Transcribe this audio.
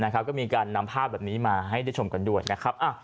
ก็มีการนำภาพแบบนี้มาให้ได้ชมกันด้วยนะครับ